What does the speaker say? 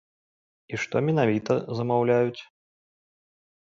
І што менавіта замаўляюць?